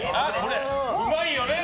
うまいよね！